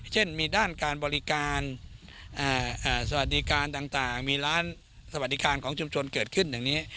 เช่นมีด้านการบริการสวัสดิการต่างมีร้านสวัสดิการของชุมชนเกิดขึ้นอย่างนี้